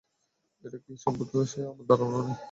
এটা কি সে সম্পর্কে আমাদের ধারণাও নেই!